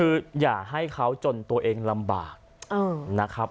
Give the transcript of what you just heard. คืออย่าให้เขาจนตัวเองลำบากนะครับ